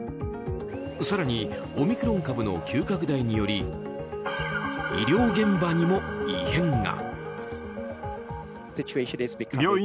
更にオミクロン株の急拡大により医療現場にも異変が。